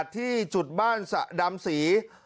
ที่จุดบ้านดำสี